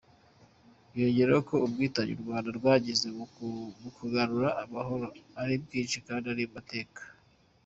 Yongeyeho ko ubwitange u Rwanda rwagize mu kugarura amahoro ari bwinshi kandi ari amateka.